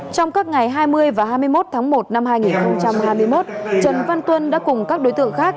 trong các ngày hai mươi và hai mươi một tháng một năm hai nghìn hai mươi một trần văn tuân đã cùng các đối tượng khác